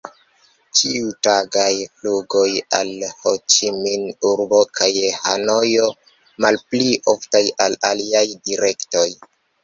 Ĉiutagaj flugoj al Ho-Ĉi-Min-urbo kaj Hanojo, malpli oftaj al aliaj direktoj.